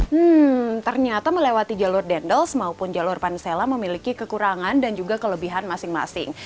hmm ternyata melewati jalur dendels maupun jalur pansela memiliki kekurangan dan juga kelebihan masing masing